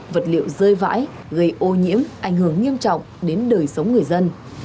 vật liệu rơi vãi gây ô nhiễm ảnh hưởng nghiêm trọng đến đời sống người dân